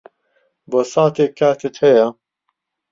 بۆ ساتێک کاتت ھەیە؟